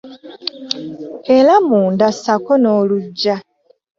Era munda ssaako n'oluggya